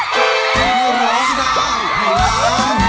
ข้อพิธีพิธี